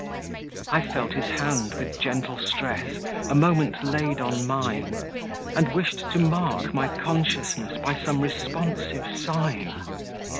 I felt his hand, with gentle stress, A moment laid on mine, And wished to mark my consciousness By some responsive sign.